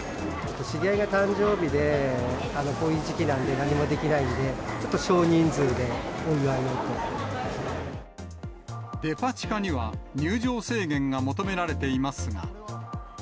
知り合いが誕生日で、こういう時期なんで、何もできないので、デパ地下には、入場制限が求められていますが。